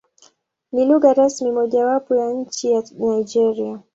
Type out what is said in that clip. Ni lugha rasmi mojawapo ya nchi ya Nigeria.